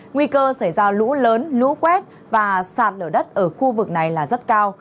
nguy cơ xảy ra lũ lớn lũ quét và sạt lở đất ở khu vực này là rất cao